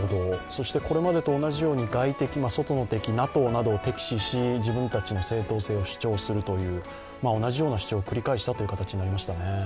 そしてこれまでと同じように外敵、ＮＡＴＯなどを敵視し自分たちの正当性を主張するという、同じような主張を繰り返したという形になりましたね。